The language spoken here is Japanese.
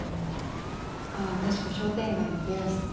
ああ確か商店街の美容室？